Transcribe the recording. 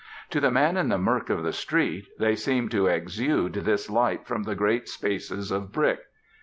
To the man in the mirk of the street, they seem to exude this light from the great spaces of brick.